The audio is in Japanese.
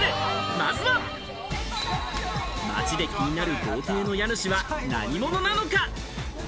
まずは街で気になる豪邸の家主は何者なのか？